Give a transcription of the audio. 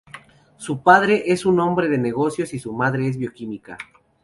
Su padre es un hombre de negocios y su madre es bioquímica.